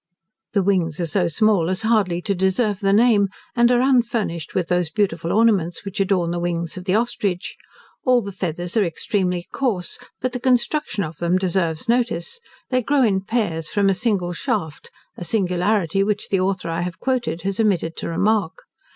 The wings are so small as hardly to deserve the name, and are unfurnished with those beautiful ornaments which adorn the wings of the ostrich: all the feathers are extremely coarse, but the construction of them deserves notice they grow in pairs from a single shaft, a singularity which the author I have quoted has omitted to remark.